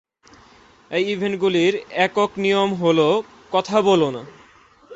এই ইভেন্টগুলির একক নিয়ম হ'ল "কথা বলো না"।